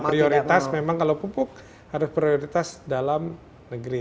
prioritas memang kalau pupuk harus prioritas dalam negeri